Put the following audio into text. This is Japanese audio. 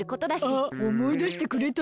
あっおもいだしてくれた？